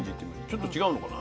ちょっと違うのかな？